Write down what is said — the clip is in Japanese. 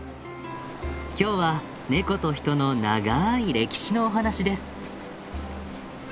今日はネコと人のながい歴史のお話です。